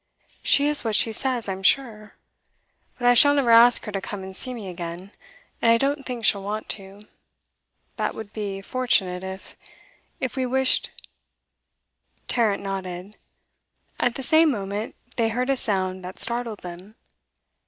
'She is what she says, I'm sure. But I shall never ask her to come and see me again, and I don't think she'll want to. That would be fortunate if if we wished ' Tarrant nodded. At the same moment they heard a sound that startled them.